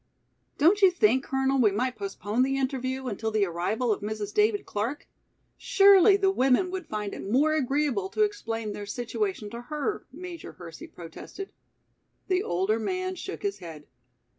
"Don't you think, Colonel, we might postpone the interview until the arrival of Mrs. David Clark? Surely the women would find it more agreeable to explain their situation to her," Major Hersey protested. The older man shook his head.